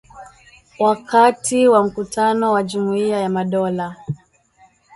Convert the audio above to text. wakati wa mkutano wa Jumuiya ya Madola